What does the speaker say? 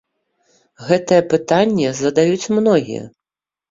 Гэтае пытанне задаюць многія.